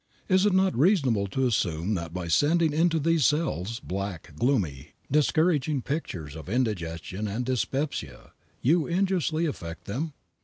Is it not reasonable to assume that by sending into these cells black, gloomy, discouraging pictures of indigestion and dyspepsia you injuriously affect them?